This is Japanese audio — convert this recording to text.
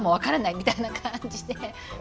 みたいな感じで。